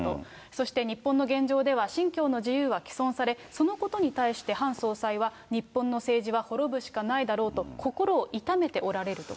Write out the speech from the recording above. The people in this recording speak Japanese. そして日本の現状では、信教の自由は毀損され、そのことに対して、ハン総裁は、日本の政治は滅ぶしかないだろうと、心を痛めておられると。